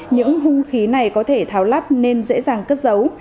những hung khí này có thể tháo lắp nên dễ dàng cất giấu